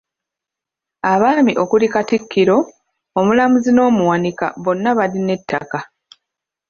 Abaami okuli Katikkiro, Omulamuzi n’Omuwanika bonna balina ettaka.